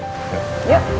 jessie kayaknya masih lama